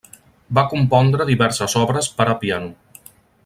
Va compondre diverses obres per a piano.